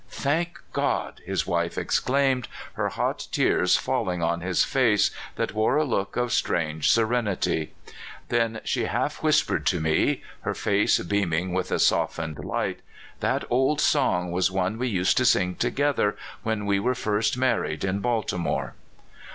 " Thank God !*' his wife exclaimed, her hot tears falling on his face, that wore a look of strange se AT THE END. 325 renity. Then she half whispered to me, her face beaming with a softened Hght: "That old song was one we used to sing together when we were first married, in Baltimore."